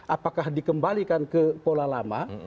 apakah dikembalikan ke pola lama